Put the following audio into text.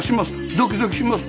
ドキドキします。